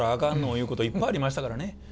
ゆうこといっぱいありましたからね。